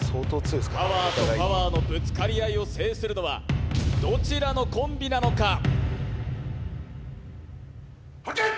パワーとパワーのぶつかり合いを制するのはどちらのコンビなのかはっけよい！